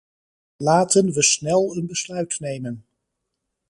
Laten we snel een besluit nemen.